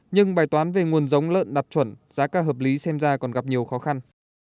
nhưng bài toán về nguồn giống lợn đạt chuẩn giá ca hợp lý xem ra còn gặp nhiều khó khăn